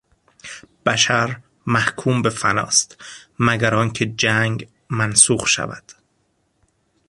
بشر محکوم به فناست مگر آنکه جنگ منسوخ شود.